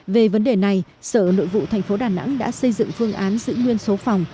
về vấn đề này sở nội vụ tp đà nẵng đã xây dựng phương án giữ nguyên số phòng